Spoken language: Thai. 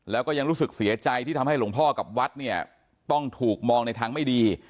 แล้วก็ยังรู้สึกเสียใจที่ทำให้หลวงพ่อกับวัดเนี่ยต้องถูกมองในทางไม่ดี